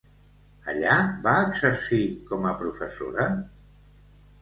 Allà va exercir com a professora?